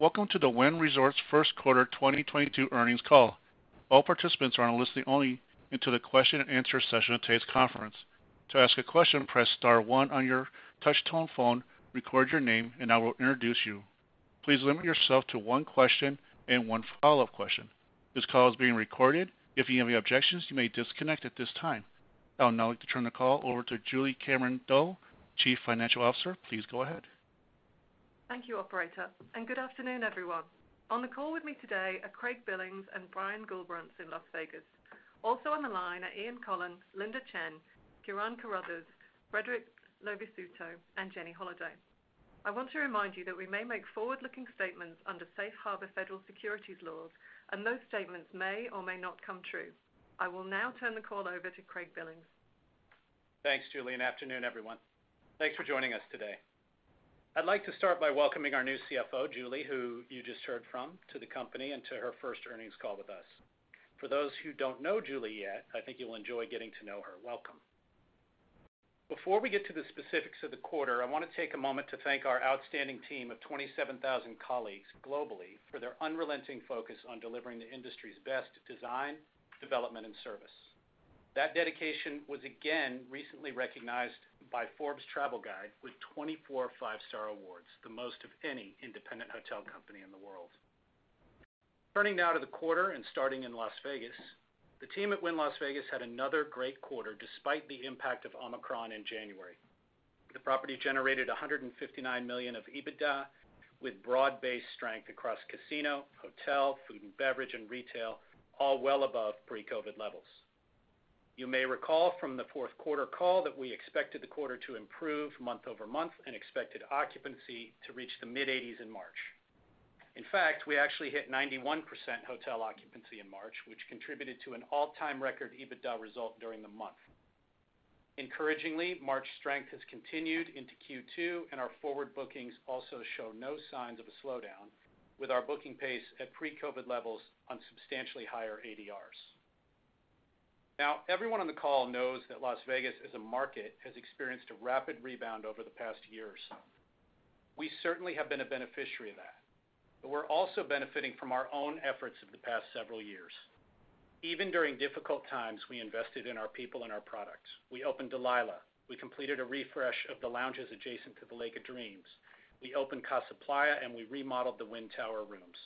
Welcome to the Wynn Resorts Q1 2022 earnings call. All participants are on a listen only until the question and answer session of today's conference. To ask a question, press star one on your touchtone phone, record your name, and I will introduce you. Please limit yourself to one question and one follow-up question. This call is being recorded. If you have any objections, you may disconnect at this time. I would now like to turn the call over to Julie Cameron-Doe, Chief Financial Officer. Please go ahead. Thank you, operator, and good afternoon, everyone. On the call with me today are Craig Billings and Brian Gullbrants in Las Vegas. Also on the line are Ian Coughlan, Linda Chen, Ciaran Carruthers, Frederic Luvisutto, and Jenny Holaday. I want to remind you that we may make forward-looking statements under Safe Harbor federal securities laws, and those statements may or may not come true. I will now turn the call over to Craig Billings. Thanks, Julie, and good afternoon, everyone. Thanks for joining us today. I'd like to start by welcoming our new CFO, Julie, who you just heard from, to the company and to her first earnings call with us. For those who don't know Julie yet, I think you'll enjoy getting to know her. Welcome. Before we get to the specifics of the quarter, I wanna take a moment to thank our outstanding team of 27,000 colleagues globally for their unrelenting focus on delivering the industry's best design, development, and service. That dedication was again recently recognized by Forbes Travel Guide with 24 five-star awards, the most of any independent hotel company in the world. Turning now to the quarter and starting in Las Vegas, the team at Wynn Las Vegas had another great quarter despite the impact of Omicron in January. The property generated $159 million of EBITDA with broad-based strength across casino, hotel, food and beverage, and retail, all well above pre-COVID levels. You may recall from the Q4 call that we expected the quarter to improve month-over-month and expected occupancy to reach the mid-80s% in March. In fact, we actually hit 91% hotel occupancy in March, which contributed to an all-time record EBITDA result during the month. Encouragingly, March strength has continued into Q2, and our forward bookings also show no signs of a slowdown with our booking pace at pre-COVID levels on substantially higher ADRs. Now, everyone on the call knows that Las Vegas as a market has experienced a rapid rebound over the past years. We certainly have been a beneficiary of that, but we're also benefiting from our own efforts of the past several years. Even during difficult times, we invested in our people and our products. We opened Delilah. We completed a refresh of the lounges adjacent to the Lake of Dreams. We opened Casa Playa, and we remodeled the Wynn Tower rooms.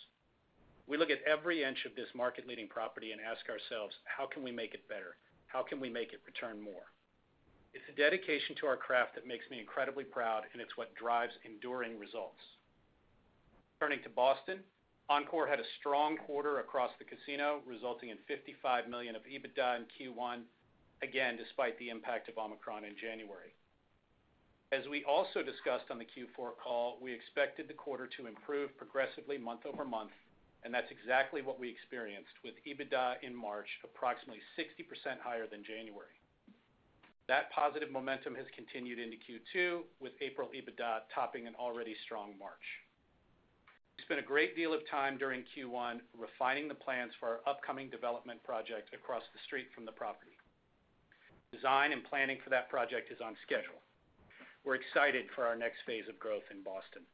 We look at every inch of this market-leading property and ask ourselves, "How can we make it better? How can we make it return more?" It's a dedication to our craft that makes me incredibly proud, and it's what drives enduring results. Turning to Boston, Encore had a strong quarter across the casino, resulting in $55 million of EBITDA in Q1, again, despite the impact of Omicron in January. As we also discussed on the Q4 call, we expected the quarter to improve progressively month-over-month, and that's exactly what we experienced with EBITDA in March, approximately 60% higher than January. That positive momentum has continued into Q2, with April EBITDA topping an already strong March. We spent a great deal of time during Q1 refining the plans for our upcoming development project across the street from the property. Design and planning for that project is on schedule. We're excited for our next phase of growth in Boston.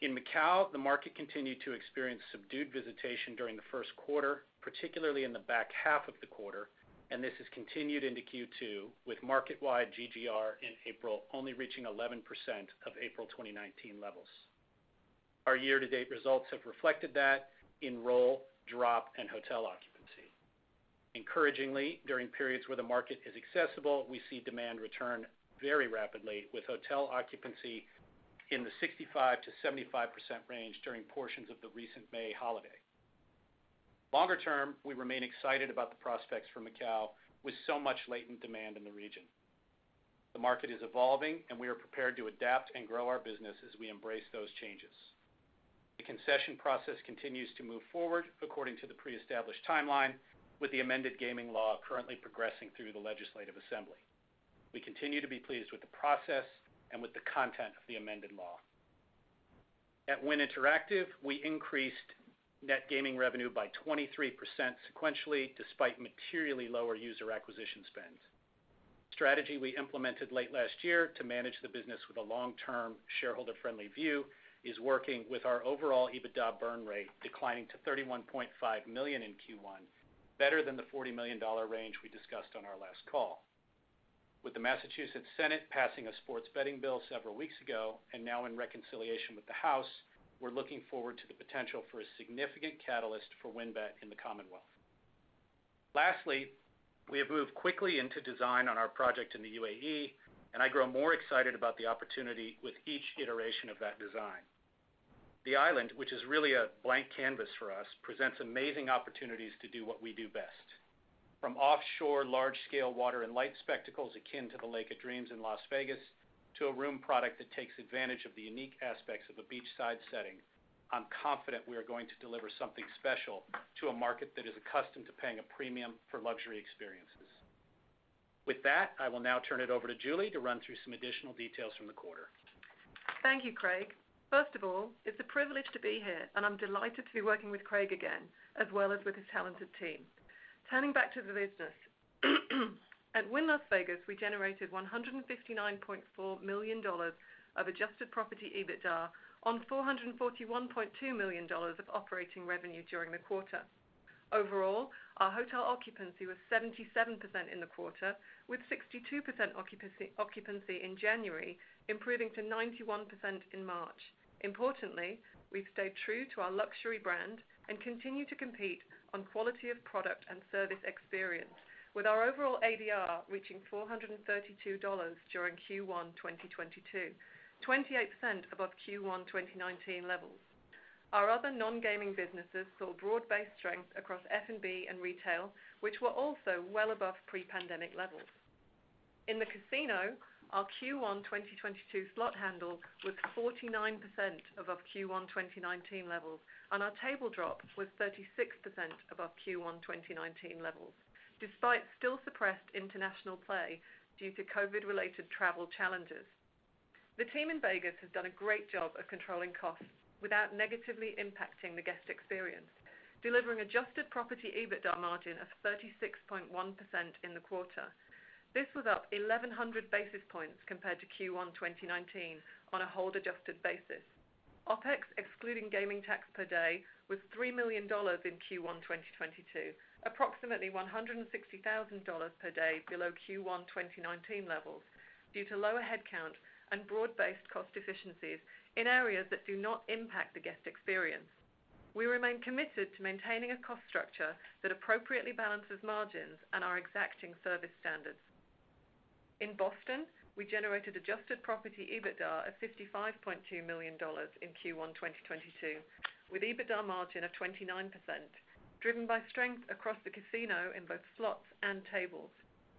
In Macau, the market continued to experience subdued visitation during the Q1, particularly in the back half of the quarter, and this has continued into Q2, with market-wide GGR in April only reaching 11% of April 2019 levels. Our year-to-date results have reflected that in roll, drop, and hotel occupancy. Encouragingly, during periods where the market is accessible, we see demand return very rapidly, with hotel occupancy in the 65%-75% range during portions of the recent May holiday. Longer term, we remain excited about the prospects for Macau with so much latent demand in the region. The market is evolving, and we are prepared to adapt and grow our business as we embrace those changes. The concession process continues to move forward according to the pre-established timeline with the amended gaming law currently progressing through the legislative assembly. We continue to be pleased with the process and with the content of the amended law. At Wynn Interactive, we increased net gaming revenue by 23% sequentially, despite materially lower user acquisition spends. The strategy we implemented late last year to manage the business with a long-term shareholder-friendly view is working with our overall EBITDA burn rate declining to $31.5 million in Q1, better than the $40 million range we discussed on our last call. With the Massachusetts Senate passing a sports betting bill several weeks ago and now in reconciliation with the House, we're looking forward to the potential for a significant catalyst for WynnBET in the Commonwealth. Lastly, we have moved quickly into design on our project in the UAE, and I grow more excited about the opportunity with each iteration of that design. The island, which is really a blank canvas for us, presents amazing opportunities to do what we do best. From offshore large-scale water and light spectacles akin to the Lake of Dreams in Las Vegas, to a room product that takes advantage of the unique aspects of a beachside setting, I'm confident we are going to deliver something special to a market that is accustomed to paying a premium for luxury experiences. With that, I will now turn it over to Julie to run through some additional details from the quarter. Thank you, Craig. First of all, it's a privilege to be here, and I'm delighted to be working with Craig again, as well as with his talented team. Turning back to the business, at Wynn Las Vegas, we generated $159.4 million of adjusted property EBITDA on $441.2 million of operating revenue during the quarter. Overall, our hotel occupancy was 77% in the quarter, with 62% occupancy in January, improving to 91% in March. Importantly, we've stayed true to our luxury brand and continue to compete on quality of product and service experience. With our overall ADR reaching $432 during Q1 2022, 28% above Q1 2019 levels. Our other non-gaming businesses saw broad-based strength across F&B and retail, which were also well above pre-pandemic levels. In the casino, our Q1 2022 slot handle was 49% above Q1 2019 levels, and our table drop was 36% above Q1 2019 levels, despite still suppressed international play due to COVID-related travel challenges. The team in Vegas has done a great job of controlling costs without negatively impacting the guest experience, delivering adjusted property EBITDA margin of 36.1% in the quarter. This was up 1,100 basis points compared to Q1 2019 on a hold adjusted basis. OpEx, excluding gaming tax per day, was $3 million in Q1 2022, approximately $160,000 per day below Q1 2019 levels due to lower headcount and broad-based cost efficiencies in areas that do not impact the guest experience. We remain committed to maintaining a cost structure that appropriately balances margins and our exacting service standards. In Boston, we generated adjusted property EBITDA of $55.2 million in Q1 2022, with EBITDA margin of 29%, driven by strength across the casino in both slots and tables.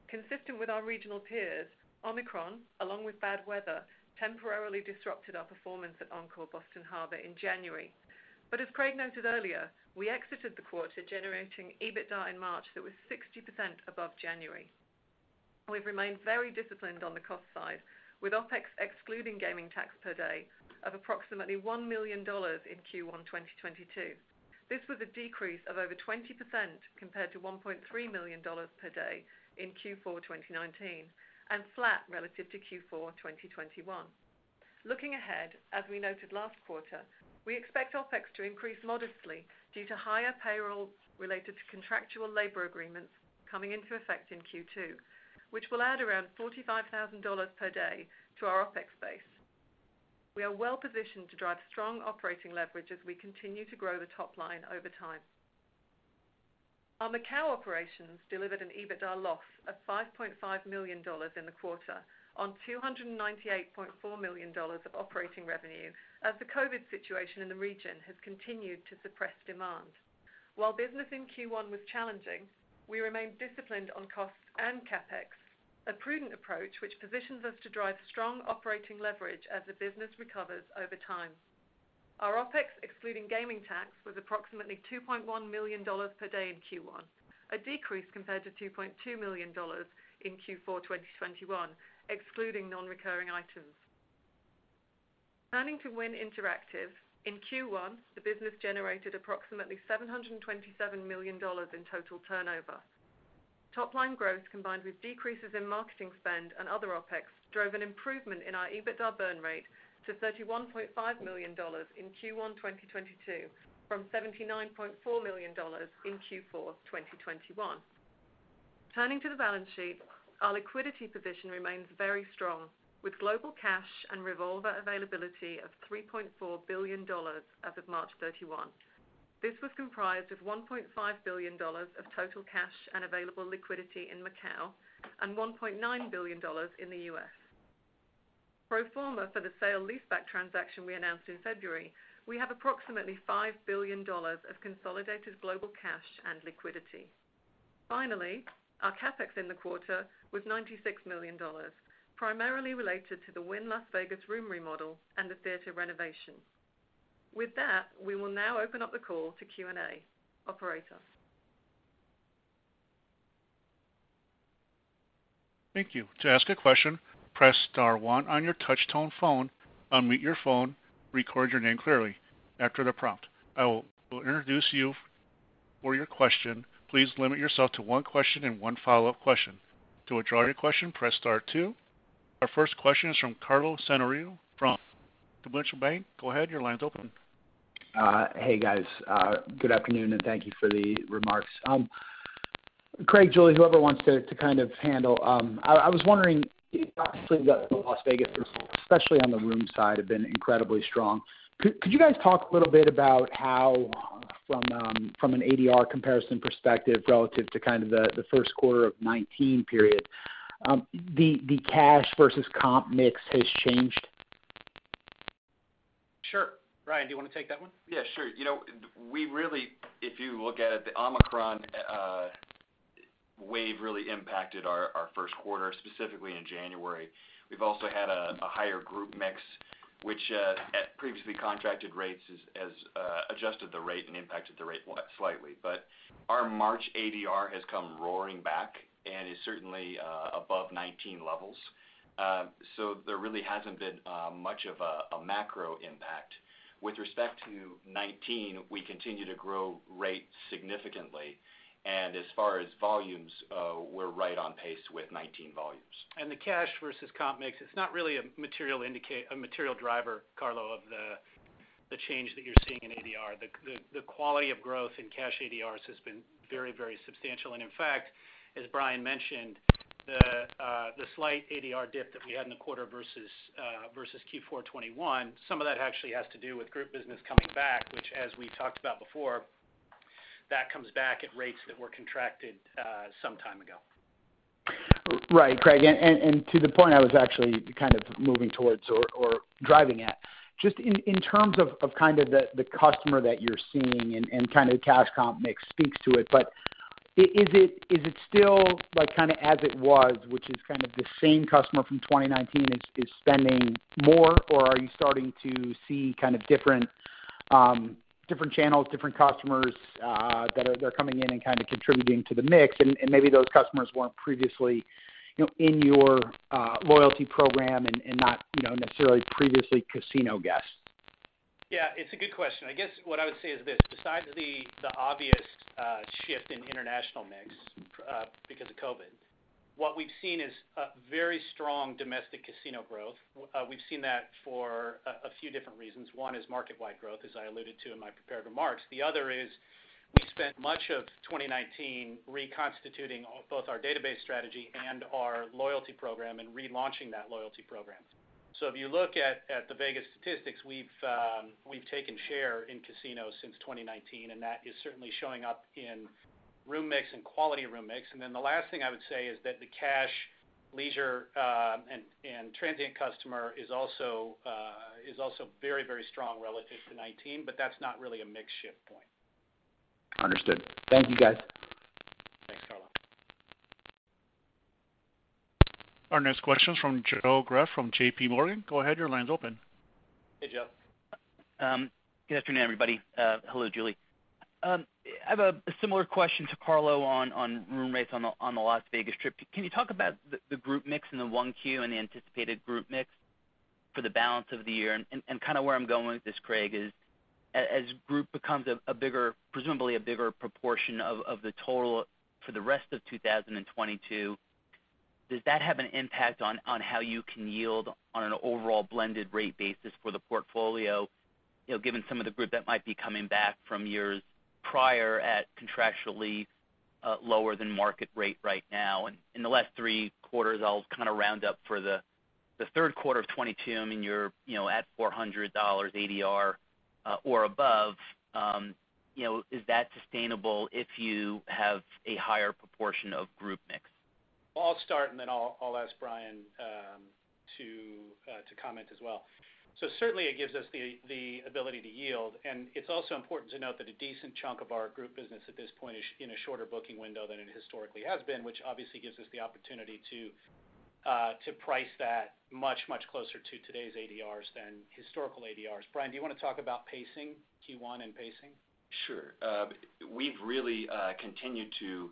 Consistent with our regional peers, Omicron, along with bad weather, temporarily disrupted our performance at Encore Boston Harbor in January. As Craig noted earlier, we exited the quarter generating EBITDA in March that was 60% above January. We've remained very disciplined on the cost side, with OpEx excluding gaming tax per day of approximately $1 million in Q1 2022. This was a decrease of over 20% compared to $1.3 million per day in Q4 2019, and flat relative to Q4 2021. Looking ahead, as we noted last quarter, we expect OpEx to increase modestly due to higher payroll related to contractual labor agreements coming into effect in Q2, which will add around $45,000 per day to our OpEx base. We are well-positioned to drive strong operating leverage as we continue to grow the top line over time. Our Macau operations delivered an EBITDA loss of $5.5 million in the quarter on $298.4 million of operating revenue, as the COVID situation in the region has continued to suppress demand. While business in Q1 was challenging, we remain disciplined on costs and CapEx, a prudent approach which positions us to drive strong operating leverage as the business recovers over time. Our OpEx, excluding gaming tax, was approximately $2.1 million per day in Q1, a decrease compared to $2.2 million in Q4 2021, excluding non-recurring items. Turning to Wynn Interactive. In Q1, the business generated approximately $727 million in total turnover. Top line growth, combined with decreases in marketing spend and other OpEx, drove an improvement in our EBITDA burn rate to $31.5 million in Q1 2022, from $79.4 million in Q4 2021. Turning to the balance sheet, our liquidity position remains very strong, with global cash and revolver availability of $3.4 billion as of March 31. This was comprised of $1.5 billion of total cash and available liquidity in Macau and $1.9 billion in the U.S. Pro forma for the sale leaseback transaction we announced in February, we have approximately $5 billion of consolidated global cash and liquidity. Finally, our CapEx in the quarter was $96 million, primarily related to the Wynn Las Vegas room remodel and the theater renovation. With that, we will now open up the call to Q&A. Operator? Thank you. To ask a question, press star one on your touch tone phone, unmute your phone, record your name clearly after the prompt. I will introduce you for your question. Please limit yourself to one question and one follow-up question. To withdraw your question, press star two. Our first question is from Carlo Santarelli from Deutsche Bank. Go ahead, your line's open. Hey, guys. Good afternoon, and thank you for the remarks. Craig, Julie, whoever wants to kind of handle, I was wondering, obviously the Las Vegas results, especially on the room side, have been incredibly strong. Could you guys talk a little bit about how from an ADR comparison perspective relative to kind of the Q1 of 2019 period, the cash versus comp mix has changed? Sure. Brian, do you wanna take that one? Yeah, sure. We really, if you look at it, the Omicron wave really impacted our Q1, specifically in January. We've also had a higher group mix, which at previously contracted rates has adjusted the rate and impacted the rate slightly. Our March ADR has come roaring back. It's certainly above '19 levels. So there really hasn't been much of a macro impact. With respect to '19, we continue to grow rate significantly, and as far as volumes, we're right on pace with '19 volumes. The cash versus comp mix, it's not really a material driver, Carlo, of the change that you're seeing in ADR. The quality of growth in cash ADRs has been very, very substantial. In fact, as Brian mentioned, the slight ADR dip that we had in the quarter versus Q4 2021, some of that actually has to do with group business coming back, which as we talked about before, that comes back at rates that were contracted some time ago. Right, Craig. To the point I was actually kind of moving towards or driving at. Just in terms of kind of the customer that you're seeing and kind of cash & comp mix speaks to it. Is it still like kinda as it was, which is kind of the same customer from 2019 is spending more, or are you starting to see kind of different channels, different customers that they're coming in and kinda contributing to the mix, and maybe those customers weren't previously in your loyalty program and not necessarily previously casino guests? Yeah, it's a good question. I guess what I would say is this, besides the obvious shift in international mix because of COVID, what we've seen is a very strong domestic casino growth. We've seen that for a few different reasons. One is market-wide growth, as I alluded to in my prepared remarks. The other is we spent much of 2019 reconstituting both our database strategy and our loyalty program and relaunching that loyalty program. If you look at the Vegas statistics, we've taken share in casinos since 2019, and that is certainly showing up in room mix and quality of room mix. The last thing I would say is that the cash leisure and transient customer is also very, very strong relative to 2019, but that's not really a mix shift point. Understood. Thank you, guys. Thanks, Carlo. Our next question is from Joe Greff from JP Morgan. Go ahead, your line's open. Hey, Joe. Good afternoon, everybody. Hello, Julie. I have a similar question to Carlo on room rates on the Las Vegas Strip. Can you talk about the group mix in the 1Q and the anticipated group mix for the balance of the year? Kind of where I'm going with this, Craig, is as group becomes a bigger, presumably bigger proportion of the total for the rest of 2022, does that have an impact on how you can yield on an overall blended rate basis for the portfolio given some of the group that might be coming back from years prior at contractually lower than market rate right now? In the last three quarters, I'll kind of round up for the Q3 of 2022, I mean at $400 ADR or above. is that sustainable if you have a higher proportion of group mix? I'll start, and then I'll ask Brian to comment as well. Certainly it gives us the ability to yield. It's also important to note that a decent chunk of our group business at this point is in a shorter booking window than it historically has been, which obviously gives us the opportunity to price that much closer to today's ADRs than historical ADRs. Brian, do you wanna talk about pacing, Q1? Sure. We've really continued to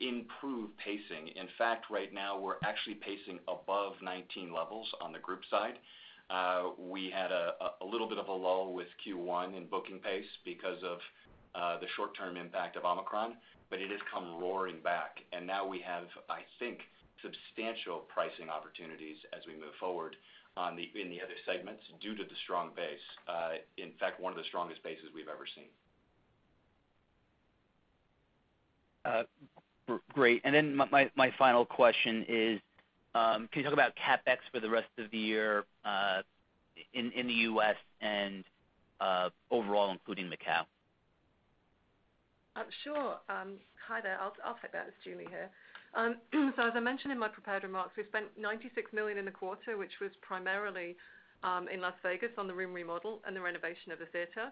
improve pacing. In fact, right now we're actually pacing above 2019 levels on the group side. We had a little bit of a lull with Q1 in booking pace because of the short-term impact of Omicron, but it has come roaring back. Now we have, I think, substantial pricing opportunities as we move forward in the other segments due to the strong base, in fact, one of the strongest bases we've ever seen. Great. My final question is, can you talk about CapEx for the rest of the year, in the U.S. and overall, including Macau? Sure. Hi there. I'll take that. It's Julie here. So as I mentioned in my prepared remarks, we've spent $96 million in the quarter, which was primarily in Las Vegas on the room remodel and the renovation of the theater.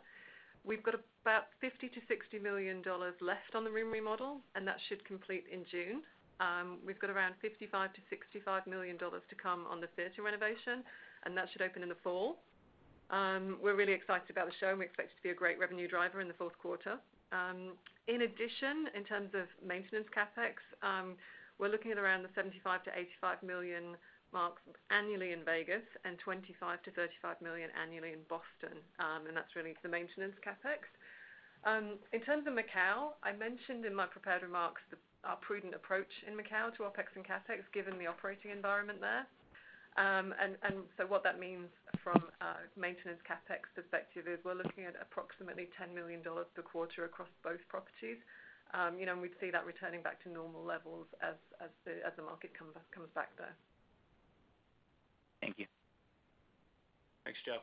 We've got about $50-$60 million left on the room remodel, and that should complete in June. We've got around $55-$65 million to come on the theater renovation, and that should open in the fall. We're really excited about the show, and we expect it to be a great revenue driver in the Q4. In addition, in terms of maintenance CapEx, we're looking at around the $75-$85 million mark annually in Vegas and $25-$35 million annually in Boston, and that's really the maintenance CapEx. In terms of Macau, I mentioned in my prepared remarks our prudent approach in Macau to OpEx and CapEx, given the operating environment there. What that means from a maintenance CapEx perspective is we're looking at approximately $10 million per quarter across both properties. we'd see that returning back to normal levels as the market comes back there. Thank you. Thanks, Joe.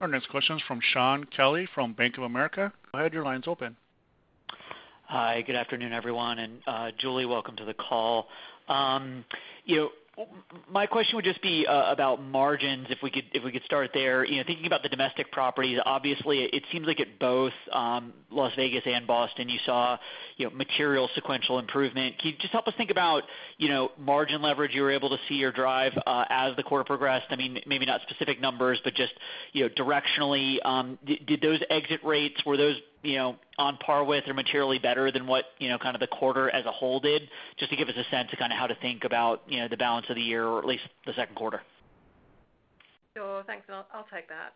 Our next question is from Shaun Kelley from Bank of America. Go ahead, your line's open. Hi, good afternoon, everyone. Julie, welcome to the call. My question would just be about margins, if we could start there. Thinking about the domestic properties, obviously it seems like at both Las Vegas and Boston, you saw material sequential improvement. Can you just help us think about margin leverage you were able to see or drive as the quarter progressed? I mean, maybe not specific numbers, but just directionally, did those exit rates, were those on par with or materially better than what kind of the quarter as a whole did? Just to give us a sense of kinda how to think about the balance of the year or at least the Q2. Sure. Thanks. I'll take that.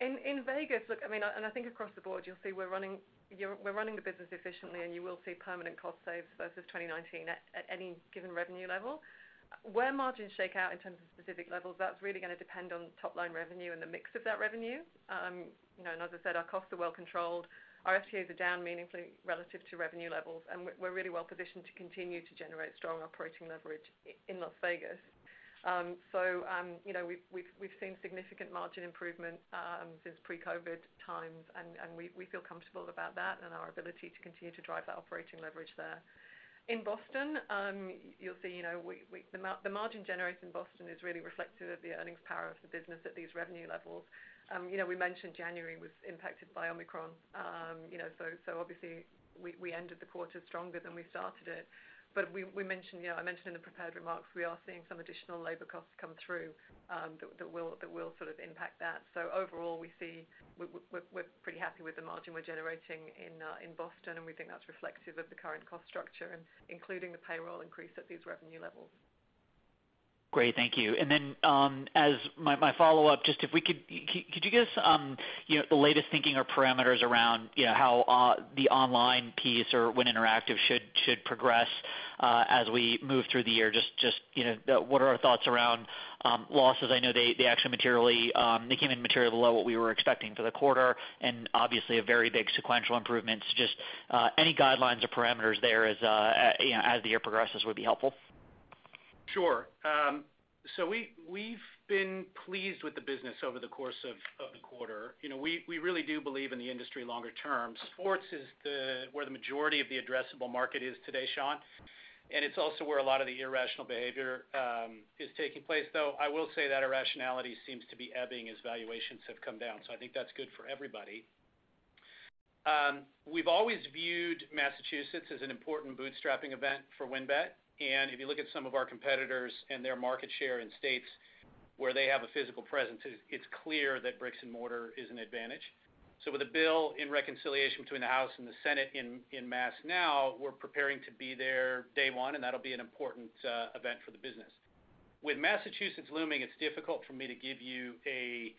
In Vegas, look, I mean, I think across the board, you'll see we're running the business efficiently, and you will see permanent cost saves versus 2019 at any given revenue level. Where margins shake out in terms of specific levels, that's really gonna depend on top line revenue and the mix of that revenue. As I said, our costs are well controlled. Our STOs are down meaningfully relative to revenue levels, and we're really well positioned to continue to generate strong operating leverage in Las Vegas. We've seen significant margin improvement since pre-COVID times, and we feel comfortable about that and our ability to continue to drive that operating leverage there. In Boston, you'll see the margin generated in Boston is really reflective of the earnings power of the business at these revenue levels. We mentioned January was impacted by Omicron. Obviously we ended the quarter stronger than we started it. We mentioned I mentioned in the prepared remarks, we are seeing some additional labor costs come through, that will sort of impact that. Overall, we're pretty happy with the margin we're generating in Boston, and we think that's reflective of the current cost structure and including the payroll increase at these revenue levels. Great. Thank you. As my follow-up, could you give us the latest thinking or parameters around how the online piece or Wynn Interactive should progress as we move through the year? Just what are our thoughts around losses? I know they came in materially below what we were expecting for the quarter, and obviously a very big sequential improvements. Just any guidelines or parameters there as the year progresses would be helpful. Sure. So we've been pleased with the business over the course of the quarter. We really do believe in the industry longer term. Sports is where the majority of the addressable market is today, Sean, and it's also where a lot of the irrational behavior is taking place, though I will say that irrationality seems to be ebbing as valuations have come down. I think that's good for everybody. We've always viewed Massachusetts as an important bootstrapping event for WynnBET, and if you look at some of our competitors and their market share in states where they have a physical presence, it's clear that bricks and mortar is an advantage. With a bill in reconciliation between the House and the Senate in Massachusetts now, we're preparing to be there day one, and that'll be an important event for the business. With Massachusetts looming, it's difficult for me to give you a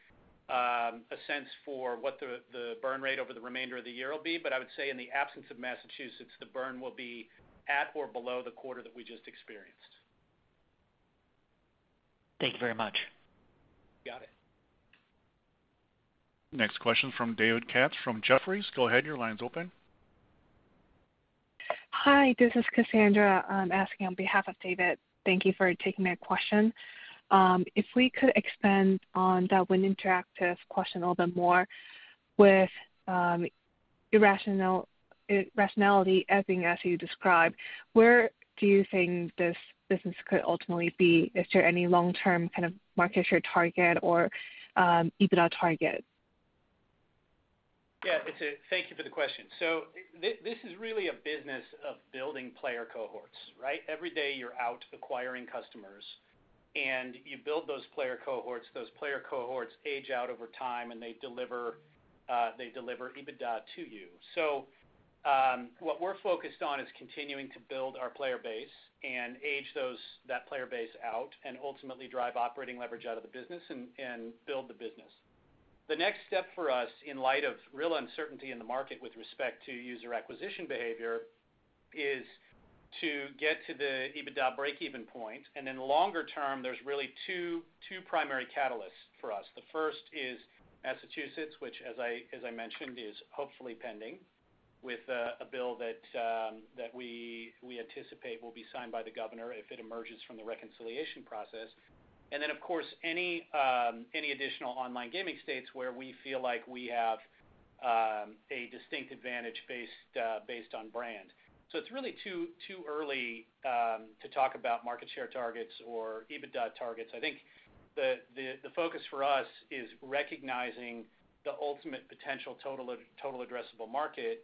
sense for what the burn rate over the remainder of the year will be, but I would say in the absence of Massachusetts, the burn will be at or below the quarter that we just experienced. Thank you very much. Got it. Next question from David Katz from Jefferies. Go ahead, your line's open. Hi, this is Cassandra. I'm asking on behalf of David Katz. Thank you for taking my question. If we could expand on that Wynn Interactive question a little bit more. With irrationality ebbing as you describe, where do you think this business could ultimately be? Is there any long-term kind of market share target or EBITDA target? Yeah, thank you for the question. This is really a business of building player cohorts, right? Every day you're out acquiring customers, and you build those player cohorts. Those player cohorts age out over time, and they deliver EBITDA to you. What we're focused on is continuing to build our player base and age that player base out and ultimately drive operating leverage out of the business and build the business. The next step for us in light of real uncertainty in the market with respect to user acquisition behavior is to get to the EBITDA breakeven point. Then longer term, there's really two primary catalysts for us. The first is Massachusetts, which I mentioned, is hopefully pending with a bill that we anticipate will be signed by the governor if it emerges from the reconciliation process. Then, of course, any additional online gaming states where we feel like we have a distinct advantage based on brand. It's really too early to talk about market share targets or EBITDA targets. I think the focus for us is recognizing the ultimate potential total addressable market,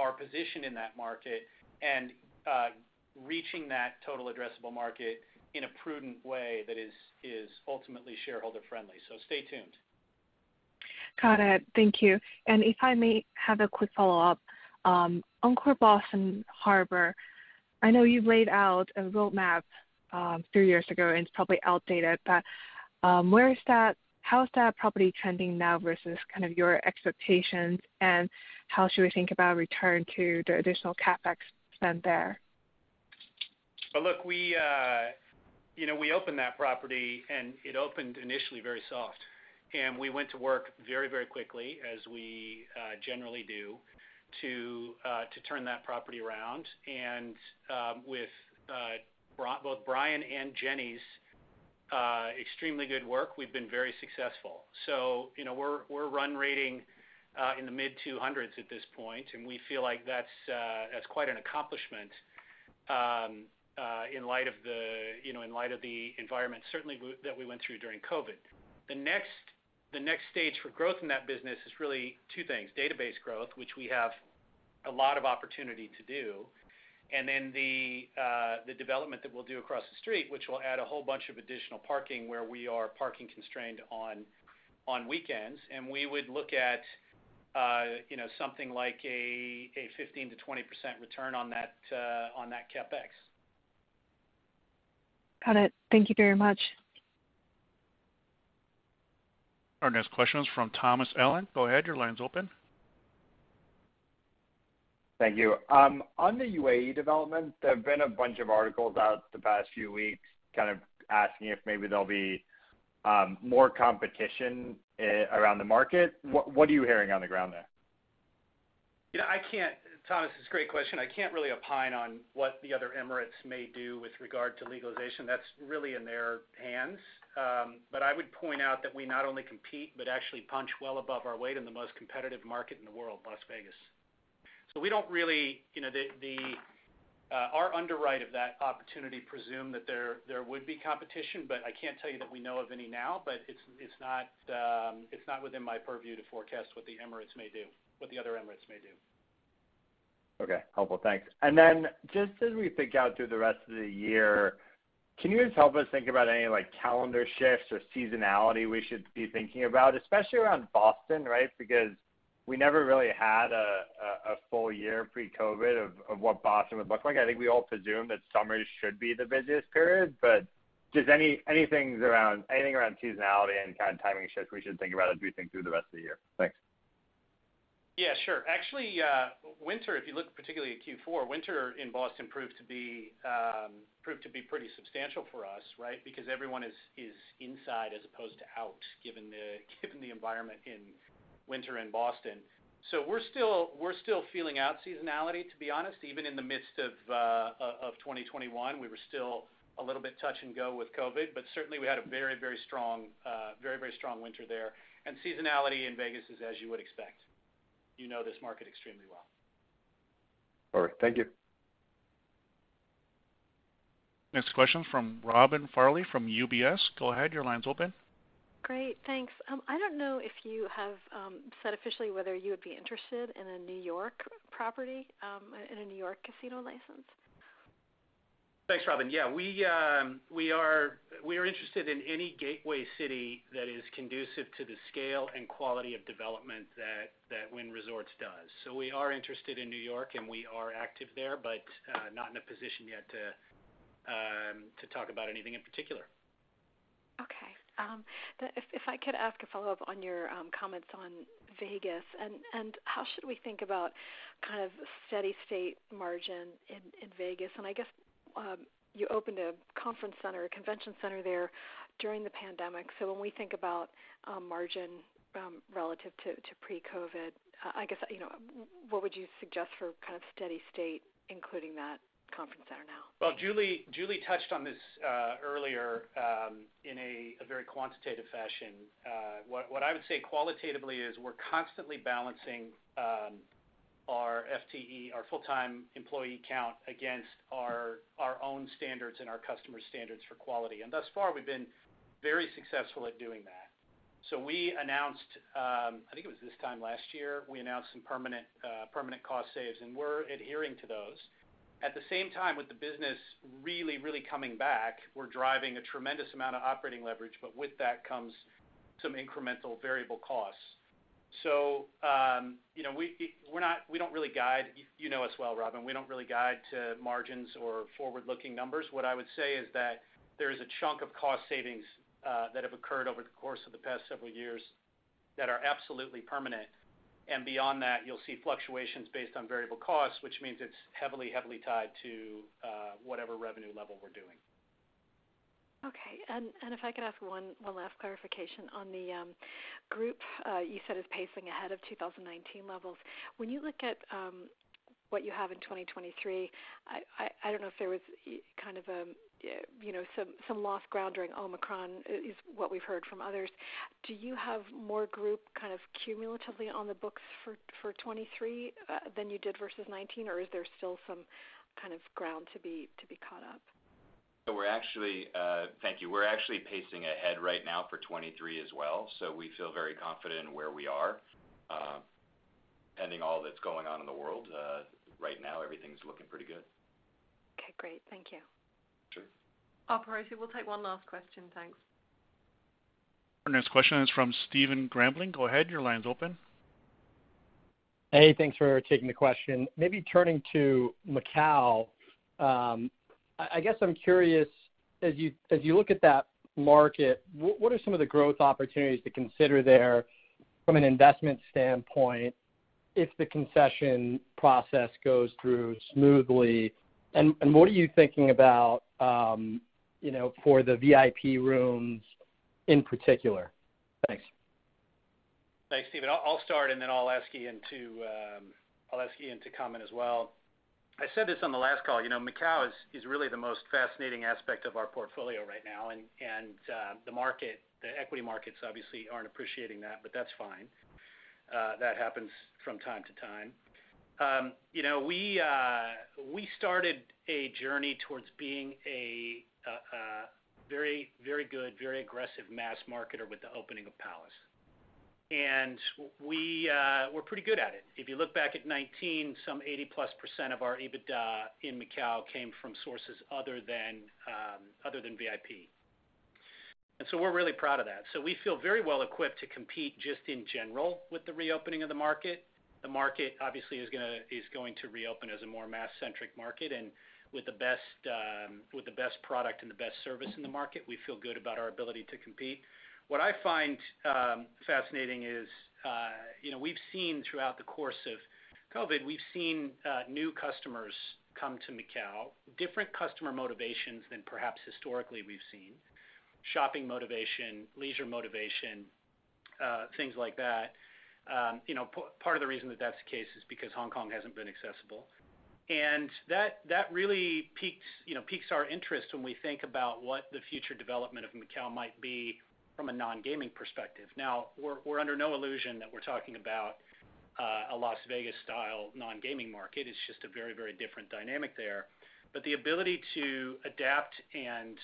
our position in that market, and reaching that total addressable market in a prudent way that is ultimately shareholder-friendly. Stay tuned. Got it. Thank you. If I may have a quick follow-up. Encore Boston Harbor, I know you've laid out a roadmap three years ago, and it's probably outdated, but how is that property trending now versus kind of your expectations, and how should we think about return to the additional CapEx spent there? Well, look we opened that property, and it opened initially very soft. We went to work very, very quickly, as we generally do, to turn that property around. With both Brian and Jenny's extremely good work, we've been very successful. We're run-rating in the mid-200s at this point, and we feel like that's quite an accomplishment in light of the environment certainly that we went through during COVID. The next stage for growth in that business is really two things, database growth, which we have a lot of opportunity to do, and then the development that we'll do across the street, which will add a whole bunch of additional parking where we are parking constrained on weekends. We would look at something like a 15%-20% return on that CapEx. Got it. Thank you very much. Our next question is from Thomas Allen. Go ahead, your line's open. Thank you. On the UAE development, there have been a bunch of articles over the past few weeks kind of asking if maybe there'll be more competition around the market. What are you hearing on the ground there? Yeah, Thomas, it's a great question. I can't really opine on what the other Emirates may do with regard to legalization. That's really in their hands. I would point out that we not only compete, but actually punch well above our weight in the most competitive market in the world, Las Vegas. We don't really our underwrite of that opportunity presumed that there would be competition, but I can't tell you that we know of any now. It's not within my purview to forecast what the Emirates may do, what the other Emirates may do. Okay. Helpful. Thanks. Then just as we think out through the rest of the year, can you just help us think about any, like, calendar shifts or seasonality we should be thinking about, especially around Boston, right? Because we never really had a full year pre-COVID of what Boston would look like. I think we all presumed that summer should be the busiest period. Just anything around seasonality and kind of timing shifts we should think about as we think through the rest of the year. Thanks. Yeah, sure. Actually, winter, if you look particularly at Q4, winter in Boston proved to be pretty substantial for us, right? Because everyone is inside as opposed to out, given the environment in winter in Boston. We're still feeling out seasonality, to be honest. Even in the midst of of 2021, we were still a little bit touch and go with COVID. Certainly, we had a very, very strong winter there. Seasonality in Vegas is as you would expect. this market extremely well. All right. Thank you. Next question from Robin Farley from UBS. Go ahead, your line's open. Great. Thanks. I don't know if you have said officially whether you would be interested in a New York property, in a New York casino license? Thanks, Robin. Yeah, we are interested in any gateway city that is conducive to the scale and quality of development that Wynn Resorts does. We are interested in New York, and we are active there, but not in a position yet to talk about anything in particular. Okay. If I could ask a follow-up on your comments on Vegas and how should we think about kind of steady state margin in Vegas? I guess you opened a conference center, a convention center there during the pandemic. When we think about margin relative to pre-COVID, I guess what would you suggest for kind of steady state, including that conference center now? Well, Julie touched on this earlier in a very quantitative fashion. What I would say qualitatively is we're constantly balancing our FTE, our full-time employee count against our own standards and our customers' standards for quality. Thus far, we've been very successful at doing that. We announced, I think it was this time last year, some permanent cost saves, and we're adhering to those. At the same time, with the business really coming back, we're driving a tremendous amount of operating leverage, but with that comes some incremental variable costs. we don't really guide. us well, Robyn. We don't really guide to margins or forward-looking numbers. What I would say is that there is a chunk of cost savings that have occurred over the course of the past several years that are absolutely permanent. Beyond that, you'll see fluctuations based on variable costs, which means it's heavily tied to whatever revenue level we're doing. Okay. If I could ask one last clarification on the group you said is pacing ahead of 2019 levels. When you look at what you have in 2023, I don't know if there was kind of some lost ground during Omicron is what we've heard from others. Do you have more group kind of cumulatively on the books for 2023 than you did versus 2019? Or is there still some kind of ground to be caught up? We're actually, thank you. We're actually pacing ahead right now for 2023 as well. We feel very confident in where we are, pending all that's going on in the world. Right now, everything's looking pretty good. Okay, great. Thank you. Sure. Operator, we'll take one last question. Thanks. Our next question is from Stephen Grambling. Go ahead, your line's open. Hey, thanks for taking the question. Maybe turning to Macau, I guess I'm curious, as you look at that market, what are some of the growth opportunities to consider there from an investment standpoint if the concession process goes through smoothly? What are you thinking about for the VIP rooms in particular? Thanks. Thanks, Stephen. I'll start, and then I'll ask Ian to comment as well. I said this on the last call. Macau is really the most fascinating aspect of our portfolio right now. The market, the equity markets obviously aren't appreciating that, but that's fine. That happens from time to time. We started a journey towards being a very good, very aggressive mass marketer with the opening of Palace. We're pretty good at it. If you look back at 2019, some 80+% of our EBITDA in Macau came from sources other than VIP. We're really proud of that. We feel very well equipped to compete just in general with the reopening of the market. The market obviously is going to reopen as a more mass-centric market and with the best product and the best service in the market. We feel good about our ability to compete. What I find fascinating is we've seen throughout the course of COVID new customers come to Macau, different customer motivations than perhaps historically we've seen, shopping motivation, leisure motivation, things like that. Part of the reason that that's the case is because Hong Kong hasn't been accessible. That really piques our interest when we think about what the future development of Macau might be from a non-gaming perspective. We're under no illusion that we're talking about a Las Vegas style non-gaming market. It's just a very, very different dynamic there. The ability to adapt and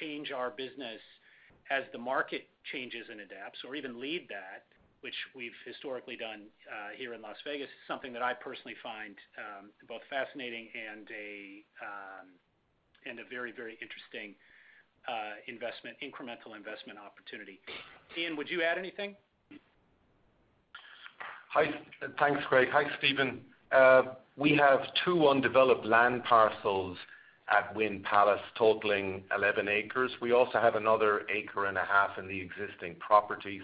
change our business as the market changes and adapts or even lead that, which we've historically done here in Las Vegas, is something that I personally find both fascinating and a very, very interesting investment, incremental investment opportunity. Ian, would you add anything? Hi. Thanks, Craig. Hi, Steven. We have two undeveloped land parcels at Wynn Palace totaling 11 acres. We also have another acre and a half in the existing property.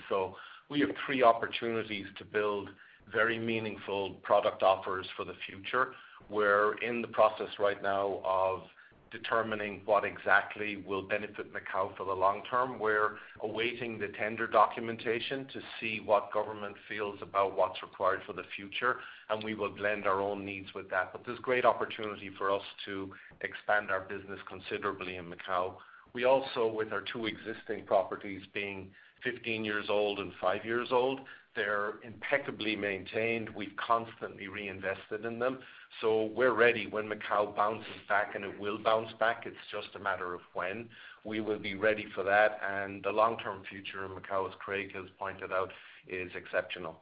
We have three opportunities to build very meaningful product offers for the future. We're in the process right now of determining what exactly will benefit Macau for the long term. We're awaiting the tender documentation to see what government feels about what's required for the future, and we will blend our own needs with that. There's great opportunity for us to expand our business considerably in Macau. We also, with our two existing properties being 15 years old and five years old, they're impeccably maintained. We've constantly reinvested in them. We're ready when Macau bounces back, and it will bounce back. It's just a matter of when. We will be ready for that, and the long-term future in Macau, as Craig has pointed out, is exceptional.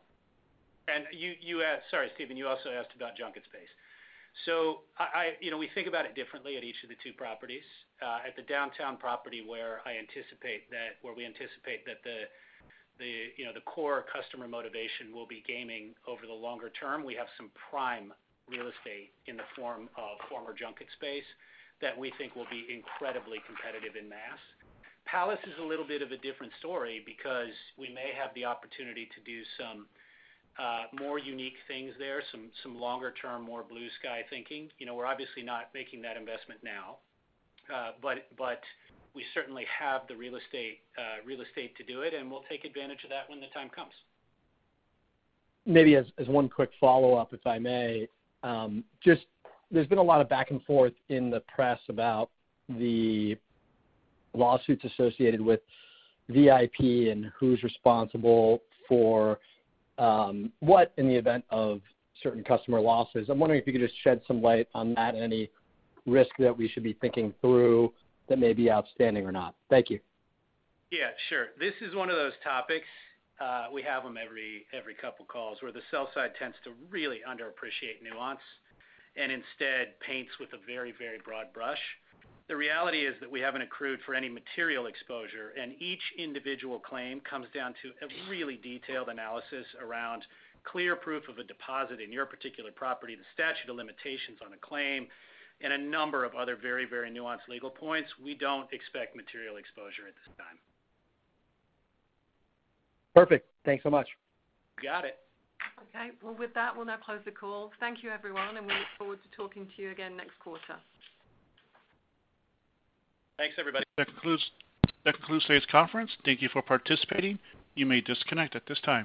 Sorry, Stephen, you also asked about junket space. We think about it differently at each of the two properties. At the downtown property, where we anticipate that the core customer motivation will be gaming over the longer term, we have some prime real estate in the form of former junket space that we think will be incredibly competitive in mass. Palace is a little bit of a different story because we may have the opportunity to do some more unique things there, some longer term, more blue sky thinking. we're obviously not making that investment now, but we certainly have the real estate to do it, and we'll take advantage of that when the time comes. As one quick follow-up, if I may. Just, there's been a lot of back and forth in the press about the lawsuits associated with VIP and who's responsible for what in the event of certain customer losses. I'm wondering if you could just shed some light on that and any risk that we should be thinking through that may be outstanding or not. Thank you. Yeah, sure. This is one of those topics, we have them every couple calls, where the sell side tends to really underappreciate nuance and instead paints with a very, very broad brush. The reality is that we haven't accrued for any material exposure, and each individual claim comes down to a really detailed analysis around clear proof of a deposit in your particular property, the statute of limitations on a claim, and a number of other very, very nuanced legal points. We don't expect material exposure at this time. Perfect. Thanks so much. You got it. Okay. Well, with that, we'll now close the call. Thank you, everyone, and we look forward to talking to you again next quarter. Thanks, everybody. That concludes today's conference. Thank you for participating. You may disconnect at this time.